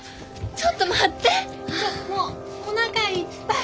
ちょもうおなかいっぱい！